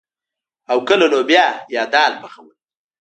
او کله لوبيا يا دال پخول.